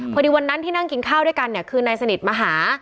วันนั้นที่นั่งกินข้าวด้วยกันเนี่ยคือนายสนิทมาหา